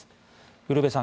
ウルヴェさん